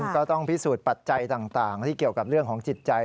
ก็ต้องพิสูจน์ปัจจัยต่างที่เกี่ยวกับเรื่องของจิตใจ